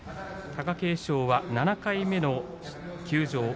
貴景勝は７回目の休場。